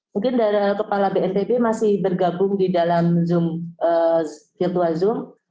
mungkin dari kepala bnpb masih bergabung di dalam zoom virtual zoom